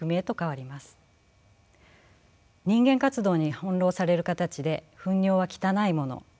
人間活動に翻弄される形で糞尿は汚いもの